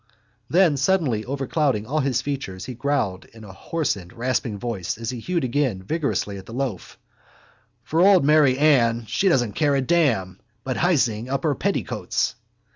Then, suddenly overclouding all his features, he growled in a hoarsened rasping voice as he hewed again vigorously at the loaf: _—For old Mary Ann She doesn't care a damn. But, hising up her petticoats...